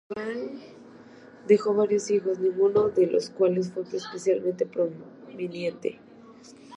Congal dejó varios hijos, ninguno de los cuales fue especialmente prominente.